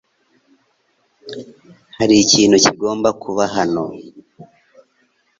Hari ikintu kigomba kuba hano?